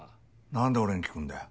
なんで俺に聞くんだよ？